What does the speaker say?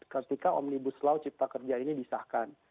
ketika omnibus law cipta kerja ini disahkan